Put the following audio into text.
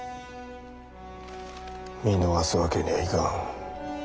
見逃すわけにはいかん。